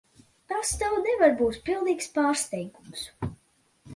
Tas tev nevar būt pilnīgs pārsteigums.